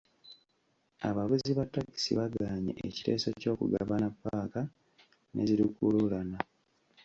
Abavuzi ba takisi bagaanye ekiteeso ky'okugabana paaka ne zi lukululana.